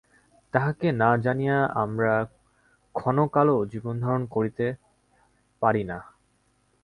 তাঁহাকে না জানিয়া আমরা ক্ষণকালও জীবনধারণ করিতে পারি না।